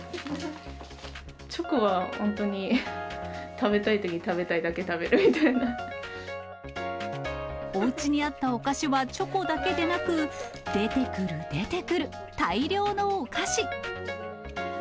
チョコは本当に、食べたいとおうちにあったお菓子はチョコだけでなく、出てくる、出てくる、大量のお菓子。